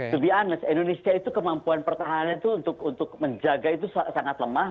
sebihan indonesia itu kemampuan pertahanan itu untuk menjaga itu sangat lemah